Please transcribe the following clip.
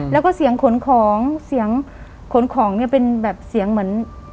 แล้วก็เสียงขนของเสียงขนของเนี่ยเป็นแบบเสียงเหมือน